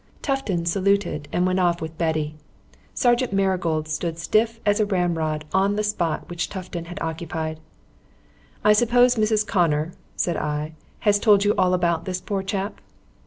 Tufton saluted and went off with Betty. Sergeant Marigold stood stiff as a ramrod on the spot which Tufton had occupied. "I suppose Mrs. Connor," said I, "has told you all about this poor chap?"